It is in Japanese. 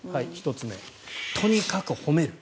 １つ目、とにかく褒める。